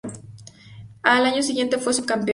Al año siguiente fue subcampeón.